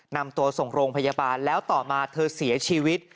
นำตัวส่งโรงพยาบาลแล้วต่อมาเธอเสียชีวิต